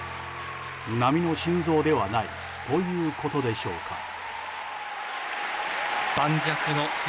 並みの心臓ではないということでしょうか。